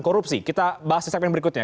korupsi kita bahas di segmen berikutnya